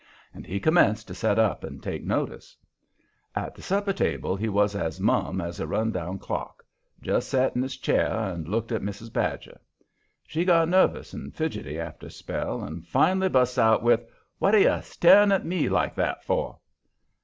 And he commenced to set up and take notice. At the supper table he was as mum as a rundown clock; just set in his chair and looked at Mrs. Badger. She got nervous and fidgety after a spell, and fin'lly bu'sts out with: "What are you staring at me like that for?"